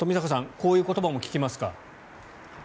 こういう言葉も聞きますか？